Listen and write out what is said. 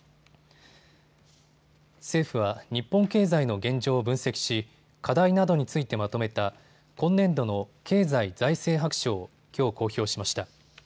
政府は日本経済の現状を分析し課題などについてまとめた今年度の経済財政白書をきょう公表しました。